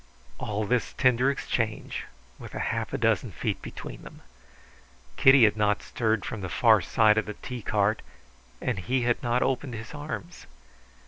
All this tender exchange with half a dozen feet between them. Kitty had not stirred from the far side of the tea cart, and he had not opened his arms.